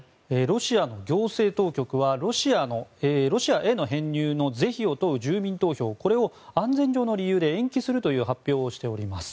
ロシアの行政当局はロシアへの編入の是非を問う住民投票を安全上の理由で延期するという発表をしております。